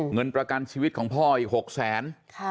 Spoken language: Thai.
เงินประกันชีวิตของพ่ออีก๖แสน